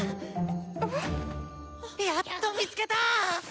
やっと見つけたー！